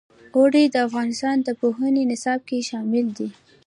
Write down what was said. اوړي د افغانستان د پوهنې نصاب کې شامل دي.